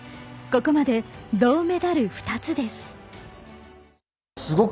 ここまで銅メダル２つです。